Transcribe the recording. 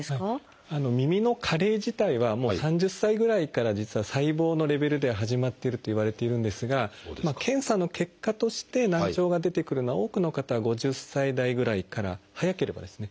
耳の加齢自体はもう３０歳ぐらいから実は細胞のレベルでは始まっているといわれているんですが検査の結果として難聴が出てくるのは多くの方は５０歳代ぐらいから早ければですね。